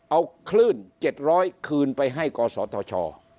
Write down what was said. เอาคลื่น๗๐๐คืนไปให้กศธช